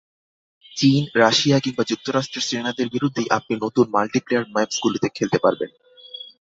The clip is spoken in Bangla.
চীন, রাশিয়া কিংবা যুক্তরাষ্ট্রের সেনাদের বিরুদ্ধেই আপনি নতুন মাল্টিপ্লেয়ার ম্যাপসগুলোতে খেলতে পারবেন।